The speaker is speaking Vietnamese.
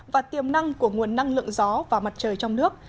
và tiềm năng của nguồn năng lượng gió và mặt trời trong nước